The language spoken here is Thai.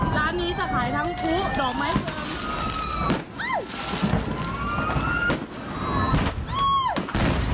ร้านนี้จะขายทั้งครูดอกไม้เติม